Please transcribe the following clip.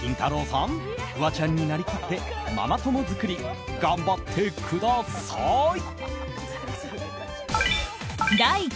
さんフワちゃんになりきってママ友作り、頑張ってください！